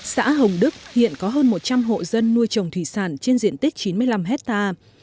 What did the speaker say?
xã hồng đức hiện có hơn một trăm linh hộ dân nuôi trồng thủy sản trên diện tích chín mươi năm hectare